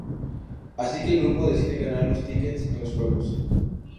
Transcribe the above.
Así que el grupo decide ganar los tickets en los juegos.